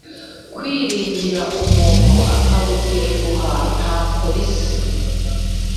Kwiringira umuntu akagutenguha ntako bisa